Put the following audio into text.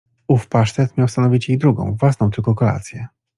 Ów pasztet miał stanowić jej drugą — własną tylko kolację!